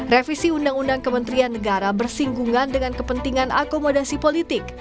revisi undang undang kementerian negara bersinggungan dengan kepentingan akomodasi politik